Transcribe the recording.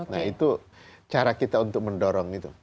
nah itu cara kita untuk mendorong itu